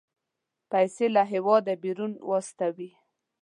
پيسې له هېواده بيرون واستوي.